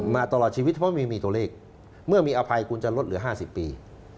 ตลอดชีวิตเพราะไม่มีตัวเลขเมื่อมีอภัยคุณจะลดเหลือ๕๐ปี